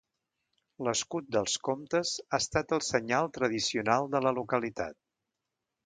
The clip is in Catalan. L'escut dels comtes ha estat el senyal tradicional de la localitat.